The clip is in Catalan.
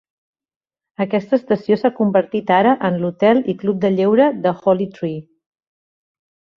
Aquesta estació s'ha convertit ara en l'hotel i club de lleure The Holly Tree.